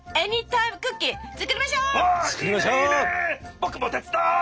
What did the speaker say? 僕も手伝う！